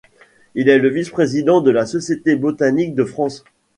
Il est le vice-président de la Société botanique de France.